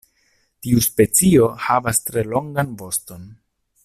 Tiu specio havas tre longan voston.